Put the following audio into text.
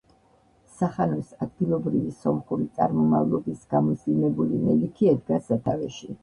სახანოს ადგილობრივი სომხური წარმომავლობის გამუსლიმებული მელიქი ედგა სათავეში.